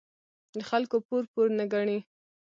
د خلکو پور، پور نه گڼي.